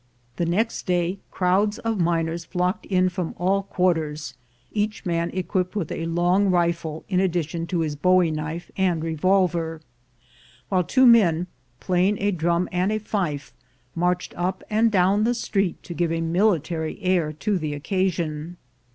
The next day crowds of miners flocked in from all quarters, each man equipped with a long rifle in addition to his bowie knife and revolver, while two men, playing a drum and a fife, marched up and down the street to give a military air to the occasion.